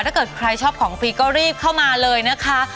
ถ้าเกิดใครชอบของฟรีก็รีบเข้ามาเลยนะคะ